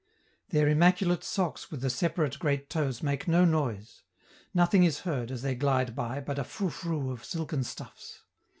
Their immaculate socks with the separate great toes make no noise; nothing is heard, as they glide by, but a 'froufrou' of silken stuffs.